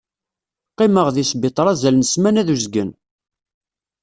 Qqimeɣ deg sbiṭar azal n smana d uzgen.